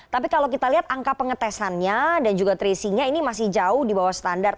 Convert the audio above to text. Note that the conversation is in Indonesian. tapi kalau kita lihat angka pengetesannya dan juga tracingnya ini masih jauh di bawah standar